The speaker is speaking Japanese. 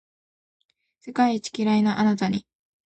世界一キライなあなたに